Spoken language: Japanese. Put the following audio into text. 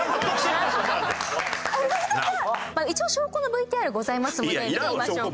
一応証拠のＶＴＲございますので見てみましょうか。